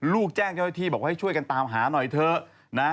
ลูกแจ้งเจ้าที่บอกว่าให้ช่วยกันตามหาหน่อยเถอะ